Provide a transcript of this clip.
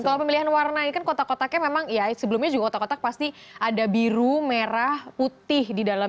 kalau pemilihan warna ini kan kotak kotaknya memang ya sebelumnya juga kotak otak pasti ada biru merah putih di dalam